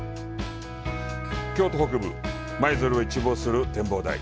京都北部・舞鶴を一望する展望台。